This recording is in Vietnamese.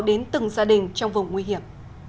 đến từng gia đình trong vùng nguy hiểm